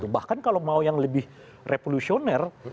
bahkan kalau mau yang lebih revolusioner